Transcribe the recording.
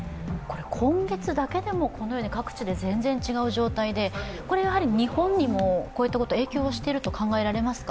今月だけでも各地で全然違う状態でこれが日本にも影響していると考えられますか？